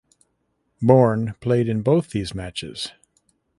Born played in both these matches.